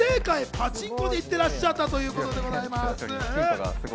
パチンコに行っていらっしゃったということでございます。